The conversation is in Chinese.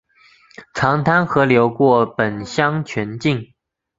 长滩河流过本乡全境。